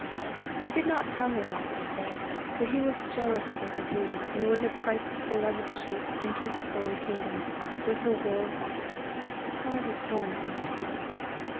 He did not tell her that, I say, for he was jealous over her beauty, and would have Christ's beloved sheep enter his holy kingdom with her wool white, however torn it might be.